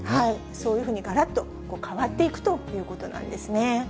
そういうふうに、がらっと変わっていくということなんですね。